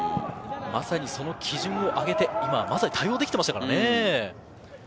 まさにその基準を上げて対応できてましたからね。